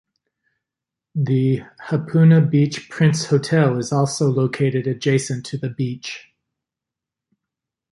The Hapuna Beach Prince Hotel is also located adjacent to the beach.